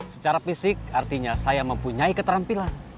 secara fisik artinya saya mempunyai keterampilan